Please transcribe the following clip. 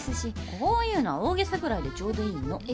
こういうのは大げさくらいでちょうどいいの。え